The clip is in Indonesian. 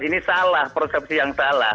ini salah persepsi yang salah